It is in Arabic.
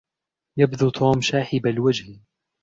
يبدو توم شاحب الوجه.